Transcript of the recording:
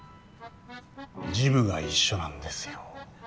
ジムが一緒なんですよ。